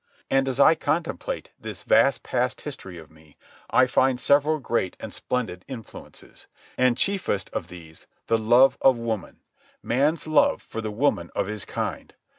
And as I contemplate this vast past history of me, I find several great and splendid influences, and, chiefest of these, the love of woman, man's love for the woman of his kind.